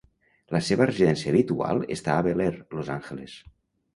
La seva residència habitual està a Bel Air, Los Angeles.